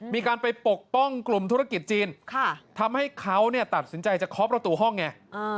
มีการไปปกป้องกลุ่มธุรกิจจีนทำให้เขาตัดสินใจจะเคาะประตูห้องไง